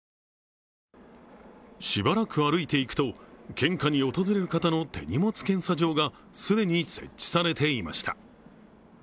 しばらく歩いて行くと献花に訪れる方の手荷物検査場が既に設置されていました。